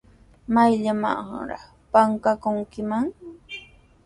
¿Mayllamanraq pakakunkiman?